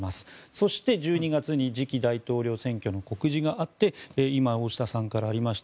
そして、１２月に次期大統領選挙の告示があって今、大下さんからありました